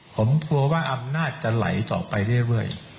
ผมกลัวว่าอำนาจจะไหลต่อไปเรื่อย